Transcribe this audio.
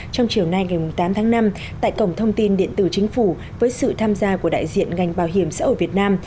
trong chiều nay ngày tám tháng năm tại cổng thông tin điện tử chính phủ với sự tham gia của đại diện ngành bảo hiểm xã hội việt nam